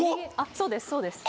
そうですそうです。